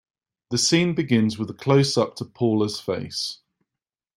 The scene begins with a closeup to Paula's face.